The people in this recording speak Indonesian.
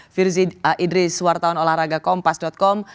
firzi idris wartawan olahraga kompas com